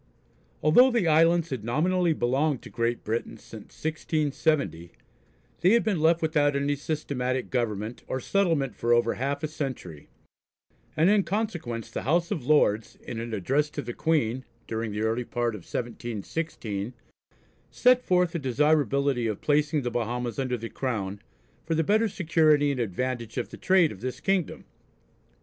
Although the islands had nominally belonged to Great Britain since 1670, they had been left without any systematic government or settlement for over half a century, and in consequence the House of Lords in an address to the Queen during the early part of 1716, set forth the desirability of placing the Bahamas under the Crown, for the better security and advantage of the trade of this kingdom.